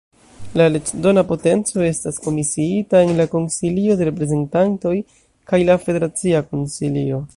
La leĝdona potenco estas komisiita en la Konsilio de Reprezentantoj kaj la Federacia Konsilio.